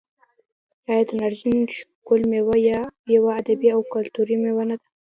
آیا د نارنج ګل میله یوه ادبي او کلتوري میله نه ده؟